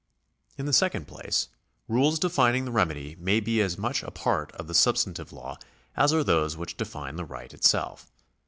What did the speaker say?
In the second place, rules defining the remedy may be as much a part of the substantive law as are those which define the right itself.